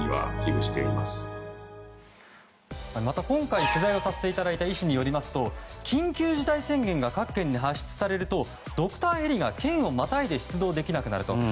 今回取材をさせていただいた医師によりますと緊急事態宣言が各県に発出されるとドクターヘリが県をまたいで出動できなくなると。